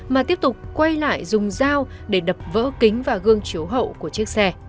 mà tiếp tục quay lại dùng dao để đập vỡ kính và gương chiếu hậu của chiếc xe